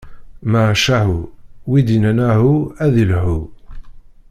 Macahu, win d-innan ahu, ad ilhu.